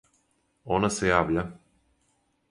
Она се јавља.